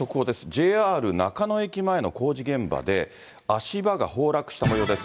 ＪＲ中野駅前の工事現場で、足場が崩落したもようです。